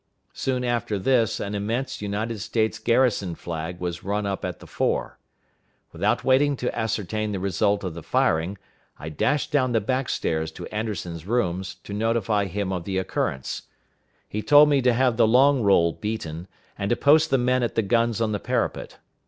Soon after this an immense United States garrison flag was run up at the fore. Without waiting to ascertain the result of the firing, I dashed down the back stairs to Anderson's room, to notify him of the occurrence. He told me to have the long roll beaten, and to post the men at the guns on the parapet.